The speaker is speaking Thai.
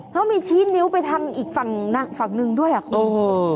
เขามีชี้นิ้วไปทางอีกฝั่งหนึ่งด้วยครับคุณ